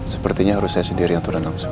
sepertinya harus saya sendiri yang turun langsung